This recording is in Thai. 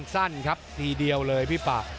สั้นครับทีเดียวเลยพี่ปะ